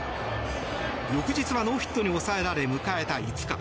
翌日はノーヒットに抑えられ迎えた５日。